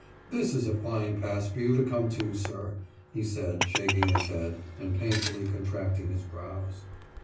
»This is a fine pass for you to come to, sir,« he said, shaking his head and painfully contracting his brows.